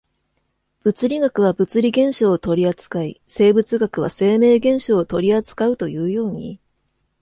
物理学は物理現象を取扱い、生物学は生命現象を取扱うというように、